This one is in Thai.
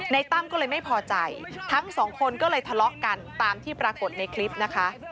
ตั้มก็เลยไม่พอใจทั้งสองคนก็เลยทะเลาะกันตามที่ปรากฏในคลิปนะคะ